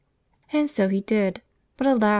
And so he did, but alas!